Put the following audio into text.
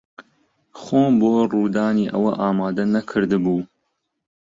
خۆم بۆ ڕوودانی ئەوە ئامادە نەکردبوو.